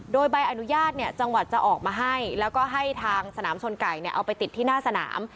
โดยใบอนุญาตเนี่ยจังหวัดจะออกมาให้แล้วก็ให้ทางสนามชนไก่เอาไปติดที่หน้าสนาม